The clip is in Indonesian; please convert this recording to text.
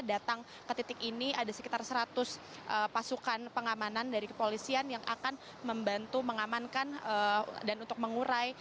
datang ke titik ini ada sekitar seratus pasukan pengamanan dari kepolisian yang akan membantu mengamankan dan untuk mengurai